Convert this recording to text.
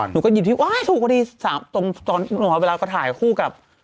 หนูก็หยิบที่ว้ายถูกพอดี๓ตรงตอนเวลาก็ถ่ายคู่กับ